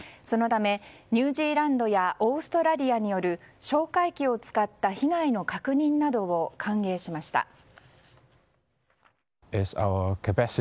そのためニュージーランドやオーストラリアによる哨戒機を使った被害の確認などを歓迎しました。